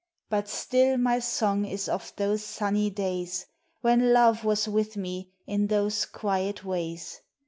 But still my song is of those sunny days When Love was with me in those quiet ways.